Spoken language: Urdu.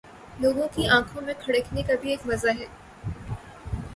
لوگوں کی آنکھوں میں کھٹکنے کا بھی ایک مزہ ہے